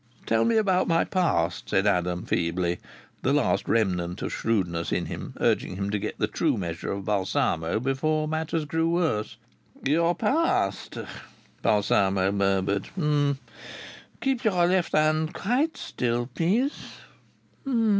"Tell me about my past," said Adam, feebly, the final remnant of shrewdness in him urging him to get the true measure of Balsamo before matters grew worse. "Your past?" Balsamo murmured. "Keep your left hand quite still, please.